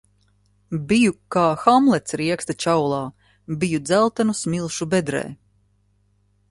Biju kā Hamlets rieksta čaulā. Biju dzeltenu smilšu bedrē.